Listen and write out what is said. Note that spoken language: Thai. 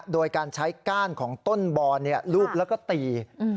โดยการใช้ก้านของต้นบอนรูปแล้วก็ตี